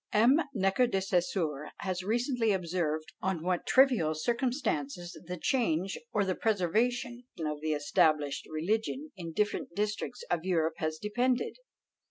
M. Necker de Saussure has recently observed on "what trivial circumstances the change or the preservation of the established religion in different districts of Europe has depended!"